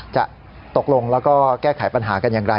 จะตกลงแล้วก็แก้ไขปัญหากันอย่างไร